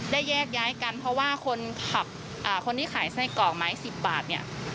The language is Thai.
แยกย้ายกันเพราะว่าคนขับคนที่ขายไส้กรอกไม้๑๐บาทเนี่ย